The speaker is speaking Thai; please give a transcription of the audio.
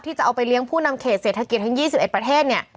จะเอาไปเลี้ยงผู้นำเขตเศรษฐกิจทั้ง๒๑ประเทศเนี่ย